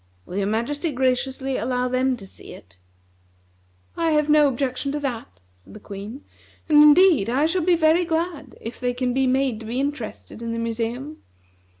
Will your Majesty graciously allow them to see it?" "I have no objection to that," said the Queen; "and indeed I shall be very glad if they can be made to be interested in the museum.